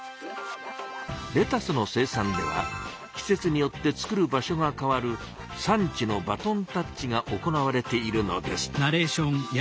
レタスの生産では季節によって作る場所が変わる「産地のバトンタッチ」が行われているのです。